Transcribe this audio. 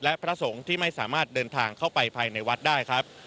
และพระสงฆ์ที่ไม่สามารถเดินทางเข้าไปภายในวัดได้ครับ